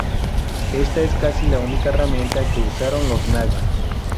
Esta es casi la única herramienta que usaron los Naga.